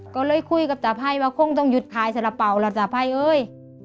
ก็เลยคุยกับตาภัยว่าก็ต้องหยุดขายสระเปร่าแล้ว